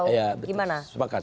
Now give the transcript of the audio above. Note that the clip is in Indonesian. ya betul sepakat